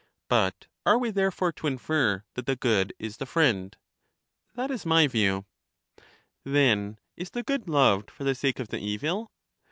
But are we therefore to infer that the good is the friend? That is my view. Then is the good loved for the sake of the evil?